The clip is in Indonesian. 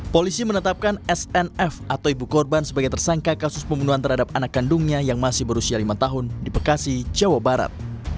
polisi menetapkan snf atau ibu korban sebagai tersangka kasus pembunuhan terhadap anak kandungnya yang masih berusia lima tahun di bekasi jawa barat